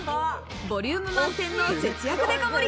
ボリューム満点の節約デカ盛り